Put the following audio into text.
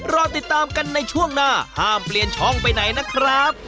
รอติดตามกันในช่วงหน้าห้ามเปลี่ยนช่องไปไหนนะครับ